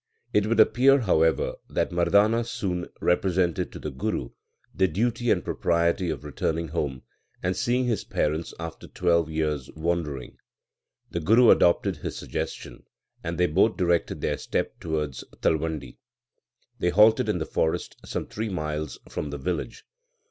It would appear, however, that Mardana soon represented to the Guru the duty and propriety of returning home, and seeing his parents after twelve years wandering. The Guru adopted his suggestion, and they both directed their steps towards Talwandi. They halted in the forest some three miles from the village.